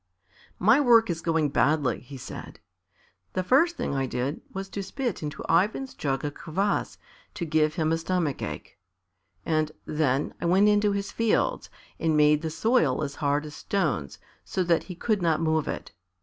"My work is going badly," he said. "The first thing I did was to spit into Ivan's jug of kvas to give him a stomach ache and then I went into his fields and made the soil as hard as stones so that he could not move it.